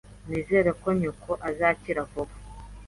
Nizere ko nyoko azakira vuba.